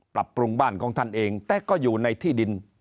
ปรับปรุงบ้านของท่านเองแต่ก็อยู่ในที่ดิน